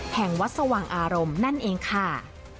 แห่งวัดสว่างอารมณ์นั่นเองค่ะ